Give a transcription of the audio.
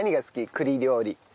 栗料理。